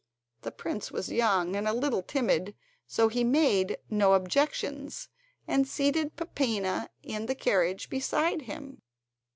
The prince was young and a little timid, so he made no objections, and seated Peppina in the carriage beside him.